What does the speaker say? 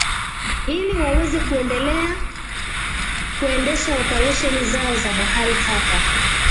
ili waweze kuendelea kuendesha operesheni zao za habari hapa